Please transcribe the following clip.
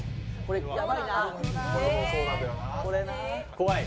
怖い。